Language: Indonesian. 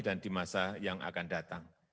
dan di masa yang akan datang